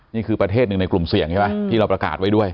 นี่คือประเทศหนึ่งในกลุ่มเสี่ยงใช่ไหมที่เราประกาศไว้ด้วย